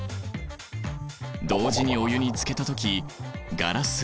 同時にお湯につけた時ガラス